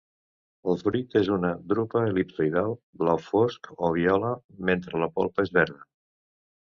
El fruit és una drupa el·lipsoidal blau fosc o viola mentre la polpa és verda.